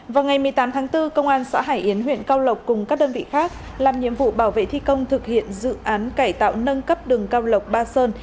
vào ngày một mươi tám tháng bốn công an xã hải yến huyện cao lộc cùng các đơn vị khác làm nhiệm vụ bảo vệ thi công thực hiện dự án cải tạo nâng cấp đường cao lộc ba sơn